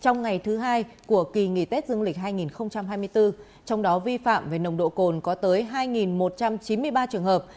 trong ngày thứ hai của kỳ nghỉ tết dương lịch hai nghìn hai mươi bốn trong đó vi phạm về nồng độ cồn có tới hai một trăm chín mươi ba trường hợp